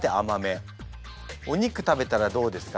お肉食べたらどうですか？